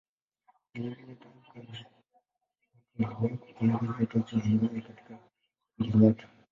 Vilevile tangu kale watu waliwahi kupanga nyota za angani katika kundinyota.